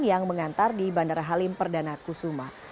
yang mengantar di bandara halim perdana kusuma